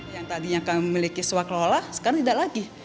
yang tadinya kami memiliki swak lola sekarang tidak lagi